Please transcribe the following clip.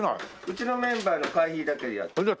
うちのメンバーの会費だけで。